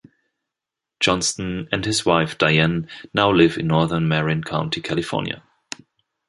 Johnston and his wife Diane now live in northern Marin County, California.